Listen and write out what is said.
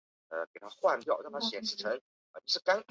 孟称舜生于万历二十七年己亥。